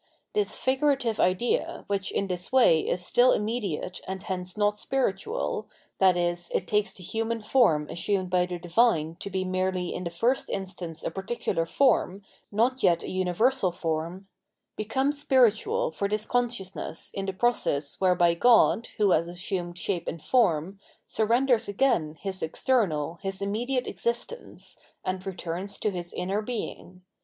This figurative idea, which in this way is stiU immediate and hence not spiritual, i.e. it takes the human form assumed by the Divine to be merely in the first instance a particular form, not yet a universal form — ^becomes spiritual for this consciousness in the process whereby God, who has assumed shape and form, surrenders again His external, His immediate Revealed Religion 78& existence, and returns to His inner Being.